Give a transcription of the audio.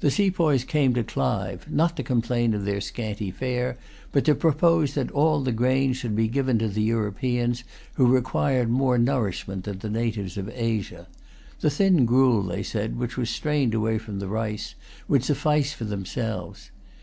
The sepoys came to Clive, not to complain of their scanty fare, but to propose that all the grain should be given to the Europeans, who required more nourishment than the natives of Asia. The thin gruel, they said, which was strained away from the rice, would suffice for themselves.